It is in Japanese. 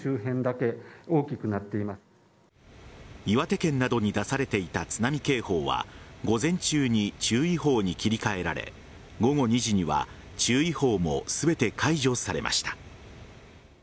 岩手県などに出されていた津波警報は午前中に注意報に切り替えられ午後２時には注意報も全て解除されました。